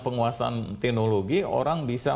penguasaan teknologi orang bisa